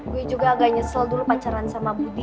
gue juga agak nyesel dulu pacaran sama putih